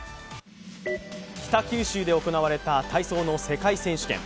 北九州市で行われた体操の世界選手権。